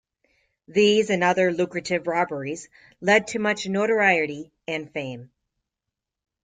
These and other lucrative robberies led to much notoriety and fame.